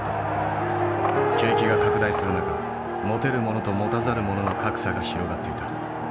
景気が拡大する中持てる者と持たざる者の格差が広がっていた。